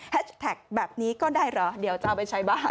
แท็กแบบนี้ก็ได้เหรอเดี๋ยวจะเอาไปใช้บ้าง